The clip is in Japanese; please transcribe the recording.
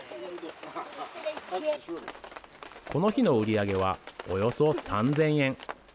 この日の売り上げはおよそ３０００円。